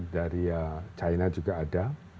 dari china juga ada